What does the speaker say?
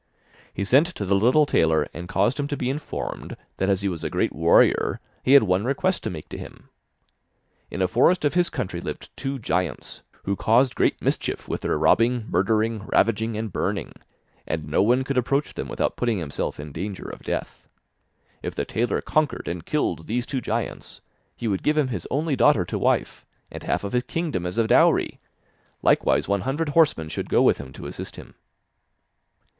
He sent to the little tailor and caused him to be informed that as he was a great warrior, he had one request to make to him. In a forest of his country lived two giants, who caused great mischief with their robbing, murdering, ravaging, and burning, and no one could approach them without putting himself in danger of death. If the tailor conquered and killed these two giants, he would give him his only daughter to wife, and half of his kingdom as a dowry, likewise one hundred horsemen should go with him to assist him.